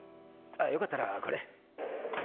あよかったらこれ。